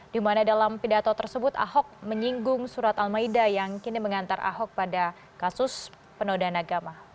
di mana dalam pidato tersebut ahok menyinggung surat al maida yang kini mengantar ahok pada kasus penodaan agama